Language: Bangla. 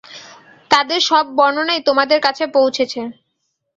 তাদের সব বর্ণনাই তোমাদের কাছে পৌঁছেছে।